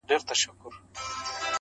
• ذخیرې چي پټي نه کړئ په کورو کي ,